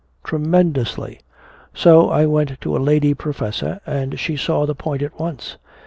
"Tremendously!" "So I went to a lady professor, and she saw the point at once.